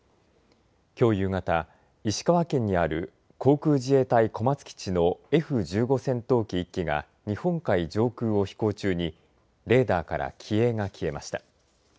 きょう夕方、石川県にある航空自衛隊、小松基地のＦ１５戦闘機１機が日本海上空を飛行中にレーダーから機影が消えました。